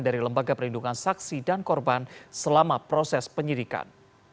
dari lembaga perlindungan saksi dan korban selama proses penyidikan